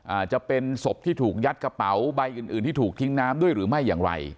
อาจจะเป็นศพที่ถูกยัดกระเป๋าใบอื่นอื่นที่ถูกทิ้งน้ำด้วยหรือไม่อย่างไร